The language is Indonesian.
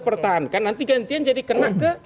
pertahankan nanti gantian jadi kena ke